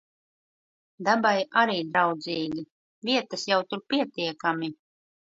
Dabai arī draudzīgi. Vietas jau tur pietiekami.